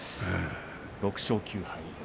６勝９敗。